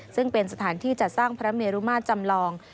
ซึ่งเป็นสถานที่จัดสร้างพระเมรุมาตรจำลอง